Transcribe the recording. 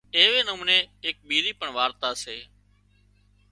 ايوي نموني اِيڪ ٻيزي پڻ وارتا سي